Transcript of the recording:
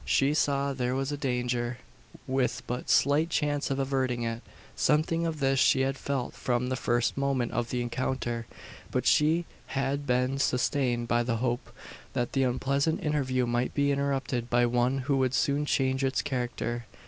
She saw there was a danger, with but slight chance of averting it. Something of this she had felt from the first moment of the encounter; but she had been sustained by the hope, that the unpleasant interview might be interrupted by one who would soon change its character.